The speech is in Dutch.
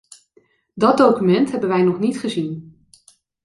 Dat document hebben wij nog niet gezien.